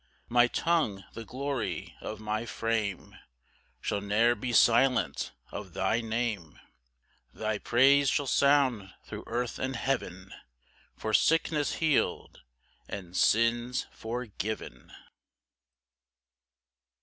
6 My tongue, the glory of my frame, Shall ne'er be silent of thy name Thy praise shall sound thro' earth and heaven, For sickness heal'd, and sins forgiven.